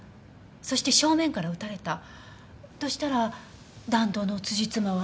そして正面から撃たれたとしたら弾道のつじつまは合うけど。